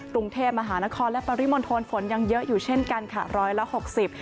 กรุงเทพมหานครและปริมณฑลฝนยังเยอะอยู่เช่นกันค่ะร้อยละหกสิบ